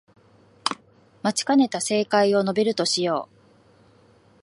待ちかねた正解を述べるとしよう